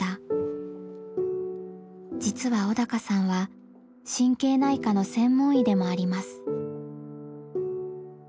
実は小鷹さんは神経内科の専門医でもあります。